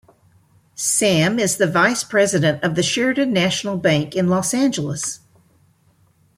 Sam is the vice president of the Sheridan National Bank in Los Angeles.